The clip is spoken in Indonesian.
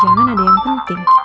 jangan ada yang penting